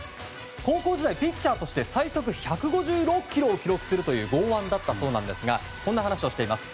高校時代ピッチャーとして最速１５６キロを記録する豪腕だったそうですがこう話しています。